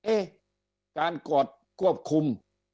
เอ๊ะการกอดควบคุม